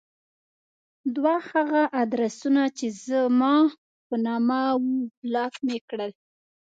دوه هغه ادرسونه چې زما په نامه وو بلاک مې کړل.